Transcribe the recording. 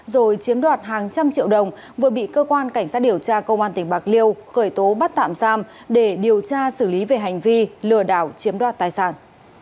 rồi chiếm đoạt hàng trăm triệu đồng vừa bị cơ quan cảnh sát điều tra công an tỉnh bạc liêu khởi tố bắt tạm giam để điều tra xử lý về hành vi lừa đảo chiếm đoạt tài sản